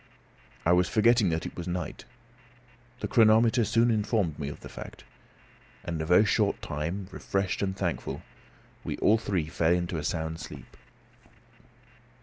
I was forgetting that it was night. The chronometer soon informed me of that fact; and in a very short time, refreshed and thankful, we all three fell into a sound sleep.